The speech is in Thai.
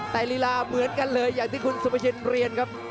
แต่ลีลาเหมือนกันเลยอย่างที่คุณสุประชินเรียนครับ